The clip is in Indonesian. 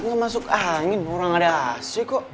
nggak masuk angin kurang ada ac kok